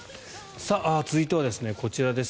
続いてはこちらです。